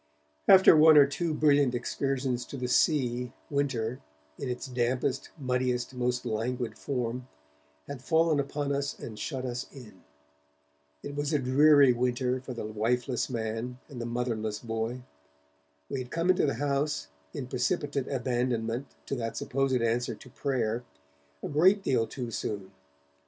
After one or two brilliant excursions to the sea, winter, in its dampest, muddiest, most languid form, had fallen upon us and shut us in. It was a dreary winter for the wifeless man and the motherless boy. We had come into the house, in precipitate abandonment to that supposed answer to prayer, a great deal too soon.